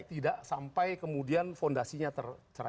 tidak sampai kemudian fondasinya tercerai